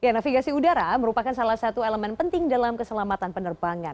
navigasi udara merupakan salah satu elemen penting dalam keselamatan penerbangan